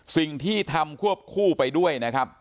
สิ่งที่ทำควบคู่ไปด้วยนะครับ